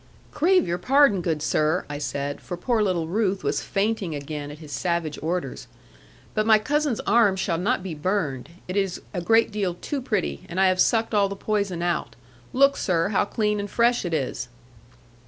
'Crave your pardon, good sir,' I said; for poor little Ruth was fainting again at his savage orders: 'but my cousin's arm shall not be burned; it is a great deal too pretty, and I have sucked all the poison out. Look, sir, how clean and fresh it is.'